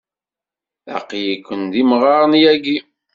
Aql-iken d imɣaren yagi.